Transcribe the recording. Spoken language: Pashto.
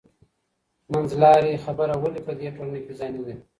منځلارې خبره ولي په دې ټولنه کي ځای نه لري؟